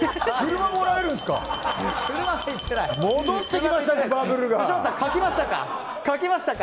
車もらえるんですか！